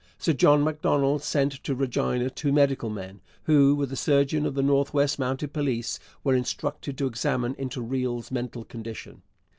Sir John Macdonald sent to Regina two medical men, who, with the surgeon of the North West Mounted Police, were instructed to examine into Riel's mental condition.